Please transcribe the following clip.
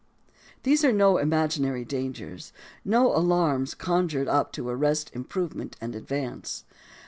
These are no imaginary dangers, no alarms conjured up to arrest improvement and advance.